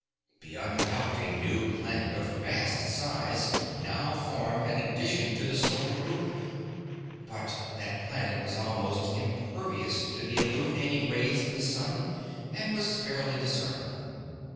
Beyond a doubt, a new planet of vast size now formed an addition to the solar group. But that planet was almost impervious to the illuminating rays of the sun and was barely discernible.